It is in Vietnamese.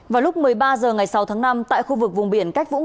vào lúc một mươi ba h ngày sáu tháng năm tại khu vực vùng biển cách vũng tàu